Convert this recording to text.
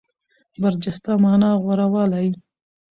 برجسته مانا غوره والی.